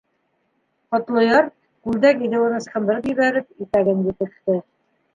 Ҡотлояр, күлдәк иҙеүен ысҡындырып ебәреп, итәген елпетте: